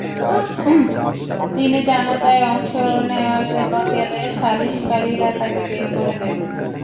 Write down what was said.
তিনি জানাজায় অংশ নেওয়ার জন্য গেলে সালিসকারীরা তাঁকে বের করে দেন।